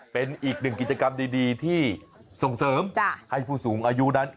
เป็นอีกหนึ่งกิจกรรมดีที่ส่งเสริมให้ผู้สูงอายุนั้น